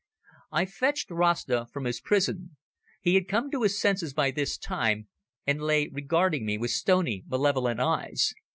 I fetched Rasta from his prison. He had come to his senses by this time, and lay regarding me with stony, malevolent eyes.